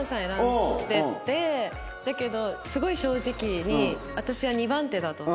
だけどすごい正直に私は２番手だと。